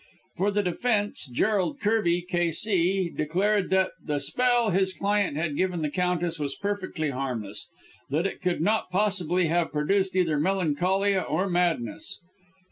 For the defence, Gerald Kirby, K.C., declared that the spell his client had given the Countess was perfectly harmless; that it could not possibly have produced either melancholia or madness.